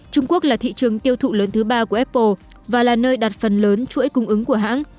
trung quốc là thị trường tiêu thụ lớn thứ ba của apple và là nơi đặt phần lớn chuỗi cung ứng của hãng